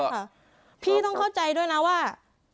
ค่ะพี่ต้องเข้าใจด้วยนะว่า